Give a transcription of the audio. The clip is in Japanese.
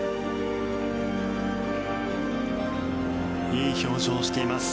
いい表情をしています。